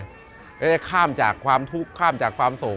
เราก็ได้ข้ามจากความทุกข์ข้ามจากความโศก